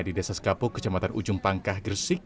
di desa skapok kecamatan ujung pangkah gersik